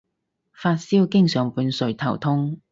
發燒經常伴隨頭痛